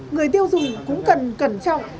người tiêu dùng cũng cần cẩn trọng